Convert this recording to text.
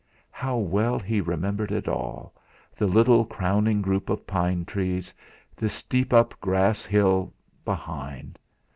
How well he remembered it all the little crowning group of pine trees, the steep up grass hill behind!